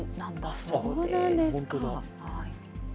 そうなんですか。